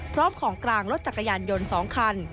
พร้อมของกลางรถจักรยานยนต์๒คัน